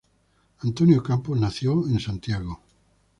Antonio Campos nació en Santiago.